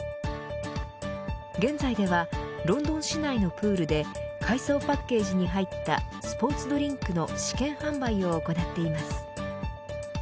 現在ではロンドン市内のプールで海藻パッケージに入ったスポーツドリンクの試験販売を行っています。